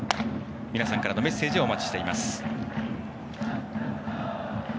皆さんからのメッセージお待ちしています。